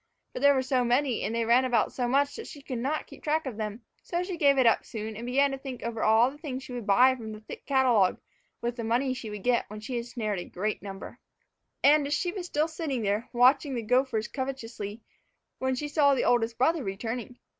But there were so many and they ran about so much that she could not keep track of them; so she gave it up soon and began to think over all the things she would buy from the thick catalogue with the money she would get when she had snared a great number. And she was still sitting there, watching the gophers covetously, when she saw the eldest brother returning.